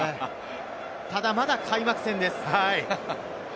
ただ、まだ開幕戦です。